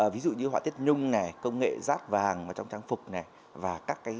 ví dụ như họa tiết nhung công nghệ rác vàng trong trang phục